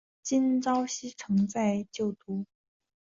金昭希曾在就读。